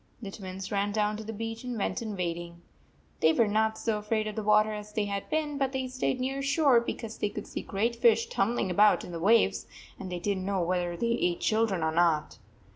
The Twins ran down to the beach and went in wading. They were not so afraid of the water as they had been, but they stayed near shore because they could see great fish tumbling about in the waves, and they did n t know whether they 128 ate children or not.